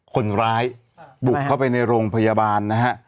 คนร้ายบุกเข้าไปในโรงพยาบาลนะฮะ